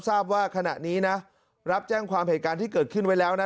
ทราบว่าขณะนี้นะรับแจ้งความเหตุการณ์ที่เกิดขึ้นไว้แล้วนะ